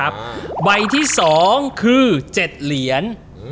ใบที่๒คือ๗เหรียญ